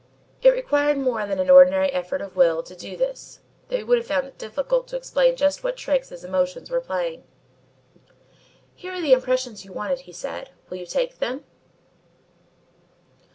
It required more than an ordinary effort of will to do this, though he would have found it difficult to explain just what tricks his emotions were playing. "Here are the impressions you wanted," he said. "Will you take them?"